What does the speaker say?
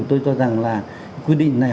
tôi cho rằng là quy định này